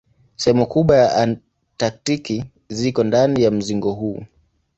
Sehemu kubwa ya Antaktiki ziko ndani ya mzingo huu.